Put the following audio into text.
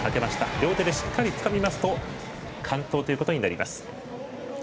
両手で、しっかりつかみますと完登ということになります。